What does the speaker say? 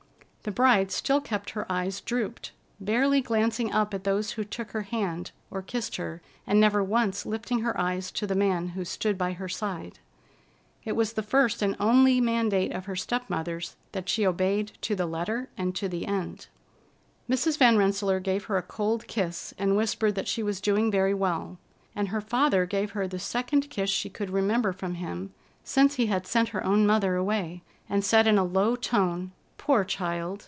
The bride still kept her eyes drooped, barely glancing up at those who took her hand or kissed her and never once lifting her eyes to the man who stood by her side. It was the first and only mandate of her step mother's that she obeyed to the letter and to the end. Mrs. Van Rensselaer gave her a cold kiss, and whispered that she was doing very well; and her father gave her the second kiss she could remember from him since he had sent her own mother away, and said in a low tone: "Poor child!